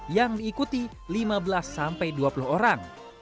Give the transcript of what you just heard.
yang diikuti lima belas sampai dua puluh orang